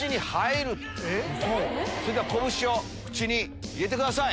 それでは拳を口に入れてください